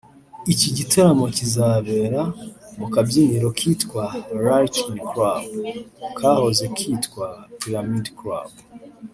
Iki gitaramo kizabera mu kabyiniro kitwa ‘Light In Club’ [kahoze kitwa Pyramid Club]